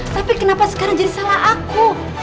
tapi kenapa sekarang jadi salah aku